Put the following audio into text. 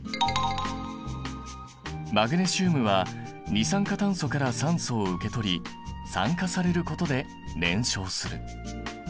マグネシウムは二酸化炭素から酸素を受け取り酸化されることで燃焼する。